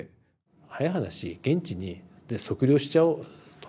早い話「現地で測量しちゃおうよ」と。